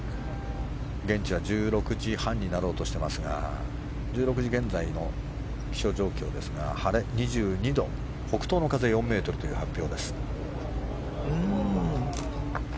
現地は１６時半になろうとしていますが１６時現在の気象状況ですが晴れ２２度北東の風４メートルという発表。